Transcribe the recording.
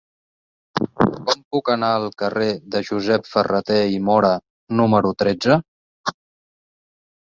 Com puc anar al carrer de Josep Ferrater i Móra número tretze?